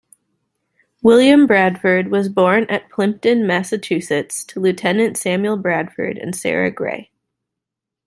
William Bradford was born at Plympton, Massachusetts to Lieutenant Samuel Bradford and Sarah Gray.